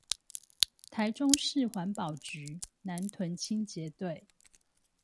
臺中市環保局南屯清潔隊